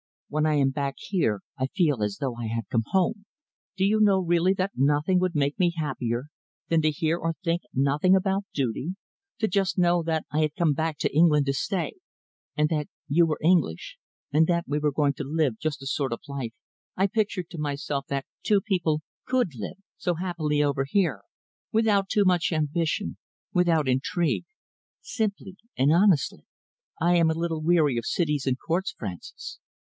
When I am back here, I feel as though I had come home. Do you know really that nothing would make me happier than to hear or think nothing about duty, to just know that I had come back to England to stay, and that you were English, and that we were going to live just the sort of life I pictured to myself that two people could live so happily over here, without too much ambition, without intrigue, simply and honestly. I am a little weary of cities and courts, Francis.